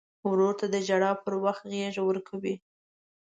ورور ته د ژړا پر وخت غېږ ورکوي.